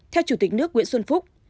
theo chủ tịch nước nguyễn xuân phúc